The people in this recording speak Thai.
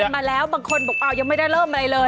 ๑๐เดือนมาแล้วบางคนบอกอ้าวยังไม่ได้เริ่มอะไรเลย